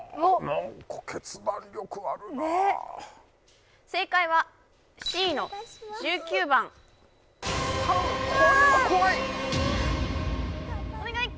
決断力あるなねっ正解はＣの１９番お願い